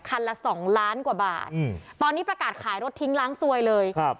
ละสองล้านกว่าบาทอืมตอนนี้ประกาศขายรถทิ้งล้างซวยเลยครับ